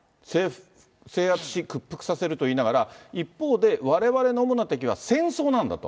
制圧し、屈服させると言いながら、一方で、われわれの主な敵は戦争なんだと。